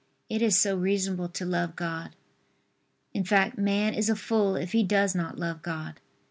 It is so reasonable to love God; in fact, man is a fool if he does not love God.